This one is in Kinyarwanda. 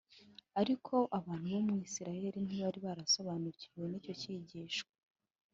’ariko abantu bo mu Isiraheli ntibari barasobanukiwe n’icyo cyigisho.